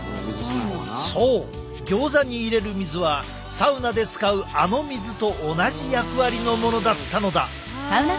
そうギョーザに入れる水はサウナで使うあの水と同じ役割のものだったのだ。